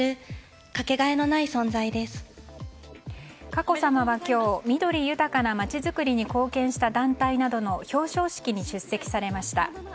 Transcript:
佳子さまは今日緑豊かな街造りに貢献した団体などの表彰式に出席されました。